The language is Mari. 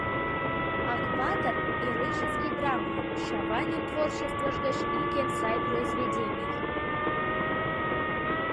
«Акпатыр» — героический драма, Чавайнын творчествыж гыч ик эн сай произведений.